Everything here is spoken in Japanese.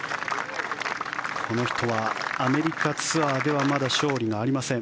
この人はアメリカツアーではまだ勝利がありません。